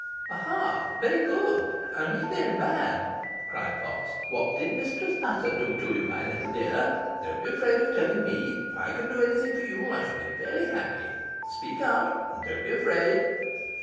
"Aha! very good I mean very bad," cried Potts. "What did Mistress Nutter do to you, my little dear? Don't be afraid of telling me. If I can do any thing for you I shall be very happy. Speak out and don't be afraid."